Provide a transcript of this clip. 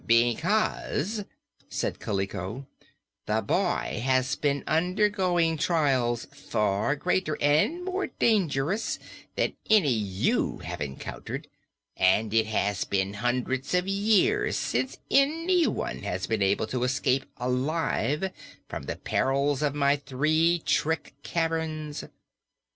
"Because," said Kaliko, "the boy has been undergoing trials far greater and more dangerous than any you have encountered, and it has been hundreds of years since anyone has been able to escape alive from the perils of my Three Trick Caverns."